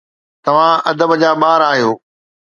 توهان ادب جا ٻار آهيو